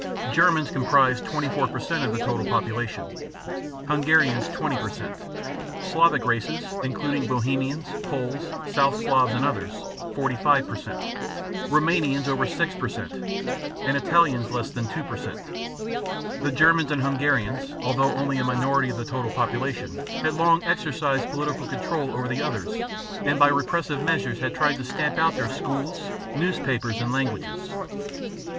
Germans comprised 24 per cent of the total population; Hungarians, 20 per cent; Slavic races (including Bohemians, Poles, South Slavs, and others), 45 per cent; Roumanians, over 6 per cent; and Italians less than 2 per cent. The Germans and Hungarians, although only a minority of the total population, had long exercised political control over the others and by repressive measures had tried to stamp out their schools, newspapers, and languages.